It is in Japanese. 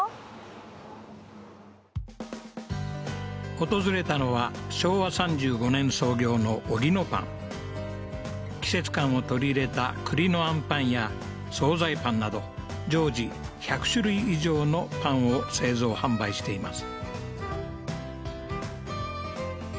こちらは訪れたのは昭和３５年創業のオギノパン季節感を取り入れた栗のあんぱんや惣菜パンなど常時１００種類以上のパンを製造販売しています